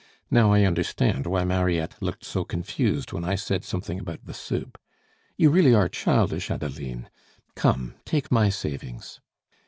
"Now I understand why Mariette looked so confused when I said something about the soup. You really are childish, Adeline; come, take my savings."